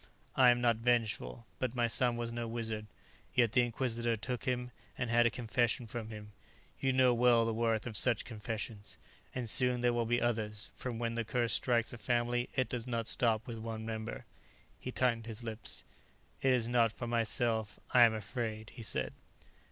I am not vengeful, but my son was no wizard. Yet the Inquisitor took him and had a confession from him; you know well the worth of such confessions. And soon there will be others, for when the curse strikes a family it does not stop with one member." He tightened his lips. "It is not for myself I am afraid," he said.